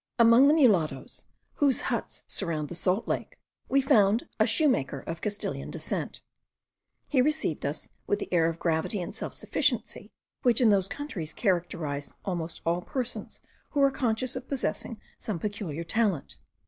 Among the Mulattoes, whose huts surround the salt lake, we found it shoemaker of Castilian descent. He received us with the air of gravity and self sufficiency which in those countries characterize almost all persons who are conscious of possessing some peculiar talent.